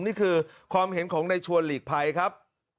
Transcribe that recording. นี่คือความเห็นของในชวนหลีกภัยครับ